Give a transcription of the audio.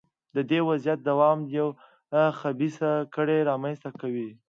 د دې وضعیت دوام یوه خبیثه کړۍ رامنځته کوي.